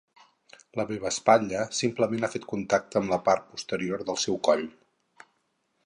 La meva espatlla simplement ha fet contacte amb la part posterior del seu coll.